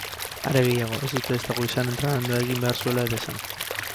Are gehiago, ez dute ezta goizean entrenamendua egin behar zuela ere esan.